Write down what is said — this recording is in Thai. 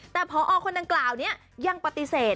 แต่พอคนดังกล่าวนี้ยังปฏิเสธ